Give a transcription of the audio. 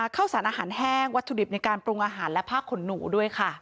ข้าวสารอาหารแห้งวัตถุดิบในการปรุงอาหารและผ้าขนหนูด้วยค่ะ